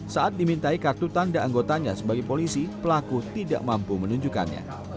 saat dimintai kartu tanda anggotanya sebagai polisi pelaku tidak mampu menunjukkannya